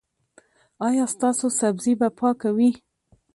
ایا ستاسو سبزي به پاکه وي؟